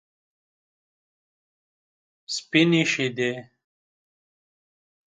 سپینې شیدې.